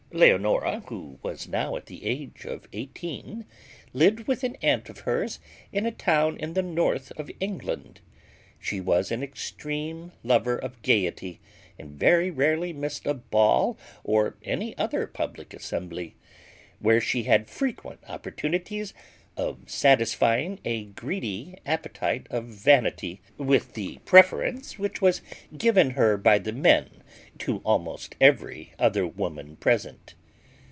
Leonora, who was now at the age of eighteen, lived with an aunt of hers in a town in the north of England. She was an extreme lover of gaiety, and very rarely missed a ball or any other public assembly; where she had frequent opportunities of satisfying a greedy appetite of vanity, with the preference which was given her by the men to almost every other woman present.